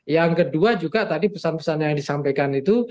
yang kedua juga tadi pesan pesan yang disampaikan itu